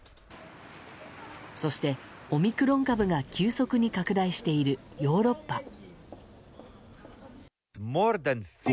そしてオミクロン株が急速に拡大しているヨーロッパ。